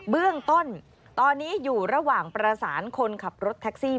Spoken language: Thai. เบื้องต้นตอนนี้อยู่ระหว่างประสานคนขับรถแท็กซี่